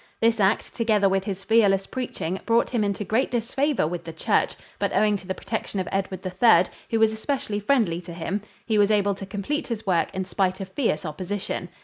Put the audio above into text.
This act, together with his fearless preaching, brought him into great disfavor with the church, but owing to the protection of Edward III, who was especially friendly to him, he was able to complete his work in spite of fierce opposition.